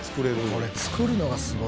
これ作るのがすごいよな。